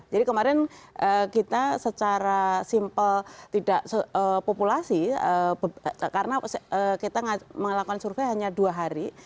jadi kemarin kita secara simple tidak populasi karena kita melakukan survei hanya dua hari